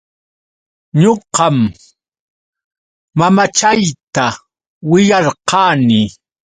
Ñuqam mamachayta willarqani.